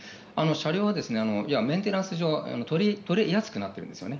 車両はメンテナンス上、取れやすくなってるんですね。